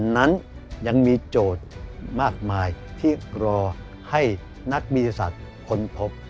นั้นยังมีโจทย์มากมายที่รอให้นักวิทยาศาสตร์ค้นพบ